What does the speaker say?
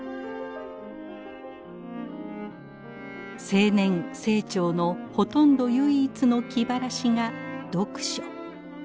青年清張のほとんど唯一の気晴らしが「読書」。